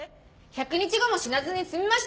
１００日後も死なずに済みました